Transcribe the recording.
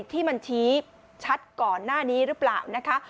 ที่มันชี้ชัดก่อนหน้านี้หรือเปล่านะคะ